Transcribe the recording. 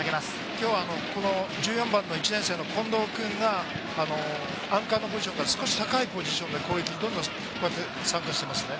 今日は１４番の１年生の近藤君がアンカーのポジションから、少し高いポジションから攻撃にどんどん参加してますね。